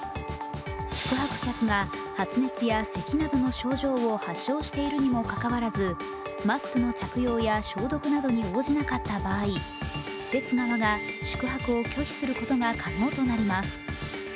宿泊客が発熱や咳などの症状を発症しているにもかかわらずマスクの着用や消毒などに応じなかった場合施設側が宿泊を拒否することが可能となります。